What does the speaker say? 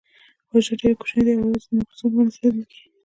حجره ډیره کوچنۍ ده او یوازې د مایکروسکوپ په مرسته لیدل کیږي